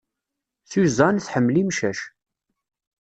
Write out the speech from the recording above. Susan, tḥemmel imcac.